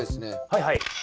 はいはい。